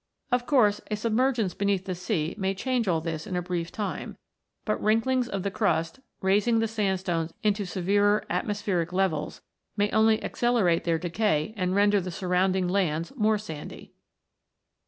5). Of course, a submergence beneath the sea may change all this in a brief time ; but wrinklings of the crust, raising the sandstones into severer atmospheric levels, may only accelerate their decay and render the surrounding lands more sandy.